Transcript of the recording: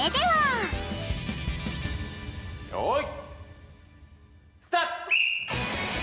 はい！